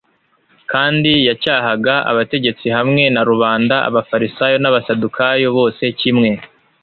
kandi yacyahaga abategetsi hamwe na rubanda, Abafarisayo n’Abasadukayo bose kimwe